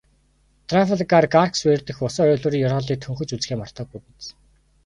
Трафальгарсквер дэх усан оргилуурын ёроолыг төнхөж үзэхээ мартаагүй биз?